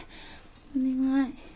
お願い。